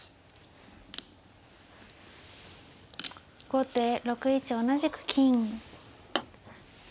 後手６一同じく金。